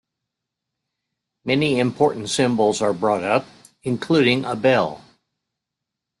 Many important symbols are brought up, including a bell.